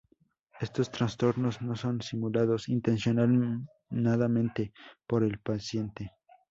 Estos trastornos no son simulados intencionadamente por el paciente.